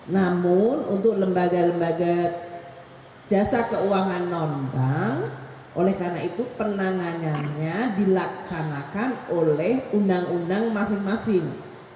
namun untuk lembaga lembaga jasa keuangan non bank oleh karena itu penanganannya dilaksanakan oleh undang undang masing masing